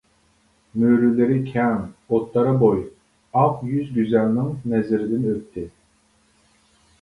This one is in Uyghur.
مۈرىلىرى كەڭ، ئوتتۇرا بوي، ئاق يۈز گۈزەلنىڭ نەزىرىدىن ئۆتتى.